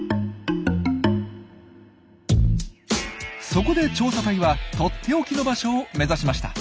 そこで調査隊はとっておきの場所を目指しました。